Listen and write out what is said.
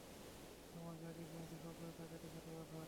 আমার যা কিছু আছে সব এই ডাকাতির সাথে বাঁধা।